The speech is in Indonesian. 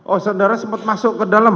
oh saudara sempat masuk ke dalam